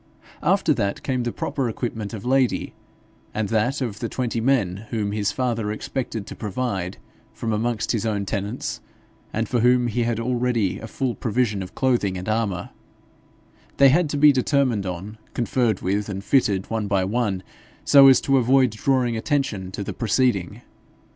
After that came the proper equipment of Lady, and that of the twenty men whom his father expected to provide from amongst his own tenants, and for whom he had already a full provision of clothing and armour; they had to be determined on, conferred with, and fitted, one by one, so as to avoid drawing attention to the proceeding.